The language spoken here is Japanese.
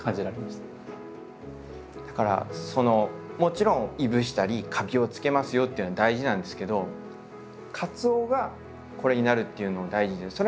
だからそのもちろんいぶしたりカビを付けますよというのは大事なんですけど鰹がこれになるっていうのも大事で。